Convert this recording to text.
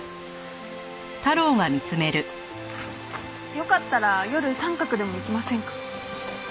よかったら夜サンカクでも行きませんか？